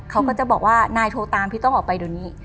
เขาก็จะบอกว่านายโทรตามพี่ต้องออกไปเดี๋ยวนี้